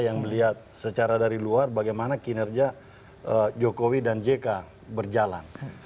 yang melihat secara dari luar bagaimana kinerja jokowi dan jk berjalan